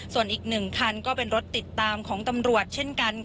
ส่วนอีก๑คันก็เป็นรถติดตามของตำรวจ